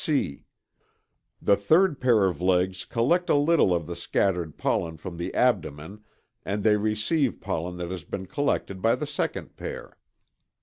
(c) The third pair of legs collect a little of the scattered pollen from the abdomen and they receive pollen that has been collected by the second pair.